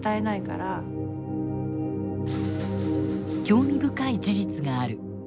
興味深い事実がある。